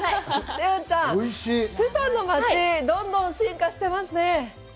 セヨンちゃん、釜山の街、どんどん進化していますね。